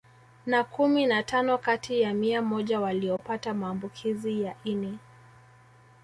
Na kumi na tano kati ya mia moja waliopata maambukizi ya ini